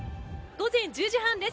午前１０時半です。